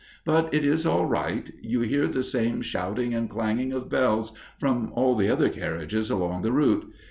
But it is all right; you hear the same shouting and clanging of bells from all the other carriages along the route.